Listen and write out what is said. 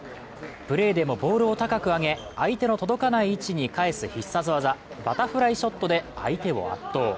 プレーでもボールを高く上げ、相手の届かない位置に返す必殺技、バタフライショットで相手を圧倒。